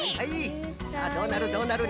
さあどうなるどうなる？